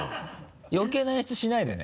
余計な演出しないでね。